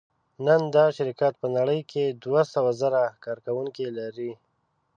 نن دا شرکت په نړۍ کې دوهسوهزره کارکوونکي لري.